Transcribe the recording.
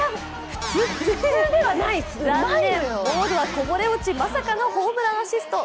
残念、ボールはこぼれ落ちまさかのホームランアシスト。